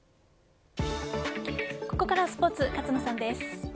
ここからはスポーツ勝野さんです。